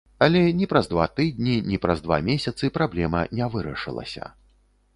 Але ні праз два тыдні, ні праз два месяцы праблема не вырашылася.